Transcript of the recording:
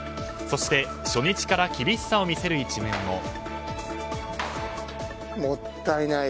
そして初日から厳しさを見せる一面も。